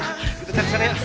ayo kita terserah ya